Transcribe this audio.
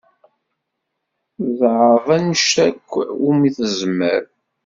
Tezɛeḍ anect akk umi tezmer.